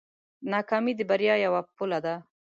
ناکامي د بریا یوه پله ده.